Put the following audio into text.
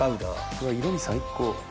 うわ色味最高！